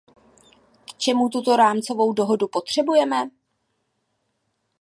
K čemu tuto rámcovou dohodu potřebujeme?